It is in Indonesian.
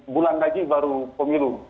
enam puluh bulan lagi baru pemilu